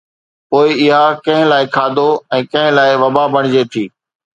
پوءِ اها ڪنهن لاءِ کاڌو ۽ ڪنهن لاءِ وبا بڻجي ٿي.